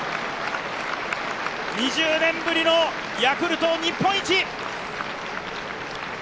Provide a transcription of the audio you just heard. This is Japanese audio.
２０年ぶりのヤクルト日本一。